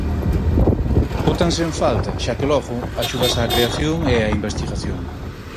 Bótanse en falta, xa que logo, axudas á creación e á investigación.